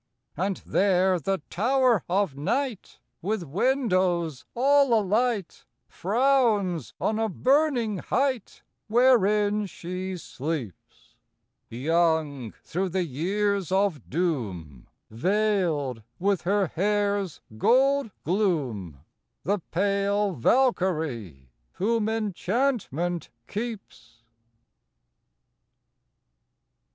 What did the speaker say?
And there the Tower of Night, With windows all a light, Frowns on a burning height; Wherein she sleeps, Young through the years of doom, Veiled with her hair's gold gloom, The pale Valkyrie whom Enchantment keeps.